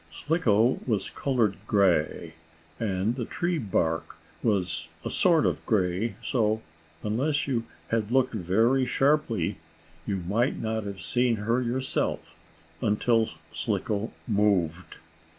Slicko was colored gray, and the tree bark was a sort of gray, so, unless you had looked very sharply, you might not have seen her yourself, until Slicko moved.